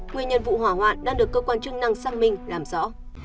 nguyên nhân vụ hỏa hoạn đang được cơ quan chức năng xác minh làm rõ